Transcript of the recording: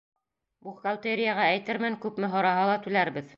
Бухгалтерияға әйтермен, күпме һораһа ла түләрбеҙ.